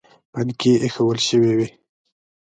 پنکې ایښوول شوې وې.